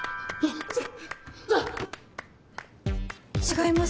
違います。